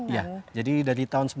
ya di dalam mobil